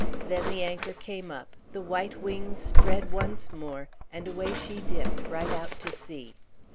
Then the anchor came up, the white wings spread once more, and away she dipped right out to sea.